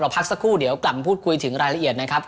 พักสักครู่เดี๋ยวกลับมาพูดคุยถึงรายละเอียดนะครับ